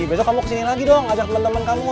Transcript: besok kamu kesini lagi dong ajak temen temen kamu